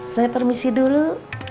saya permisi dulu